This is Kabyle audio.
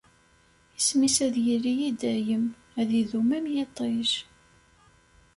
Isem-is ad yili i dayem, ad idum am yiṭij.